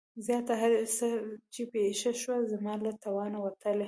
زياته هر څه چې پېښه شوه زما له توانه وتلې.